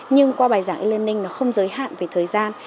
nhưng qua bài giảng e learning nó không giới hạn về thời gian